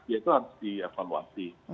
yaitu harus dievaluasi